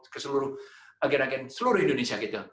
ke seluruh agar agar seluruh indonesia gitu